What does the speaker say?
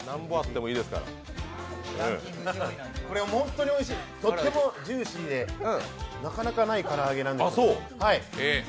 本当においしい、とってもジューシーでなかなかない唐揚げなんです。